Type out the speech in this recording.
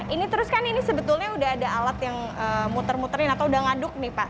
ini terus kan ini sebetulnya udah ada alat yang muter muterin atau udah ngaduk nih pak